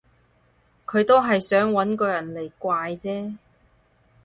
佢都係想搵個人嚟怪啫